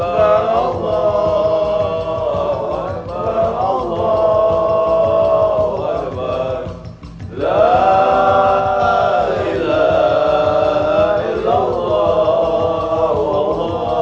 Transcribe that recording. insya allah yuk